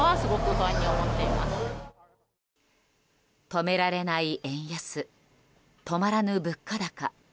止められない円安止まらぬ物価高。